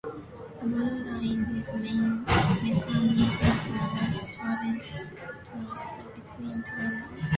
The Blue Line is the main mechanism for travelers to transfer between terminals.